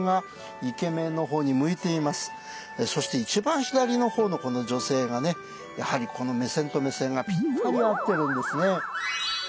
そして一番左の方のこの女性がねやはりこの目線と目線がぴったり合ってるんですね。